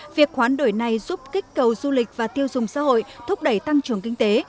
việc hoán đổi này giúp kích cầu du lịch và tiêu dùng xã hội thúc đẩy tăng trưởng kinh tế